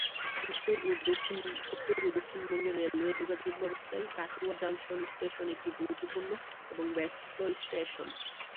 উত্তর ও দক্ষিণবঙ্গের রেলওয়ে যোগাযোগব্যবস্থায় কাটোয়া জংশন স্টেশন একটি গুরুত্বপূর্ণ এবং ব্যস্ত স্টেশন।